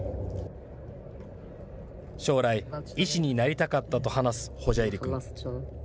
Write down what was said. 将来、医師になりたかったと話すホジャイリ君。